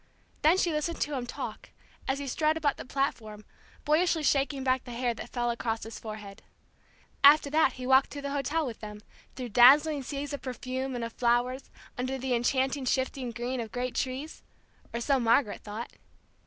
Then she listened to him talk, as he strode about the platform, boyishly shaking back the hair that fell across his forehead. After that he walked to the hotel with them, through dazzling seas of perfume, and of flowers, under the enchanted shifting green of great trees, or so Margaret thought.